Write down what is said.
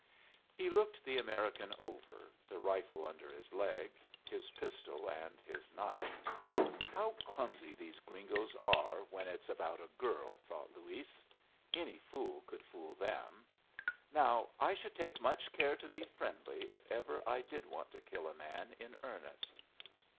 He looked the American over, the rifle under his leg, his pistol, and his knife. "How clumsy these gringos are when it's about a girl!" thought Luis. "Any fool could fool them. Now I should take much care to be friendly if ever I did want to kill a man in earnest.